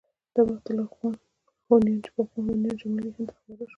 دا وخت الخون هونيان چې پخوا هونيان شمالي هند ته خپاره شول.